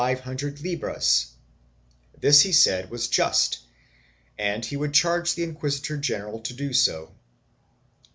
I] THE SUPEEMA 327 hundred libras; this he said was just and he would charge the inquisitor general to do so.